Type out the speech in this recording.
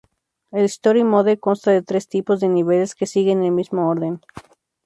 El Story Mode consta de tres tipos de niveles que siguen el mismo orden.